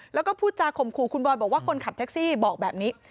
แล้วก็พูดจาข่มขู่คุณบอยบอกว่าคนขับแท็กซี่บอกแบบนี้